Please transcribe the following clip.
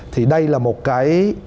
thì đây là một cái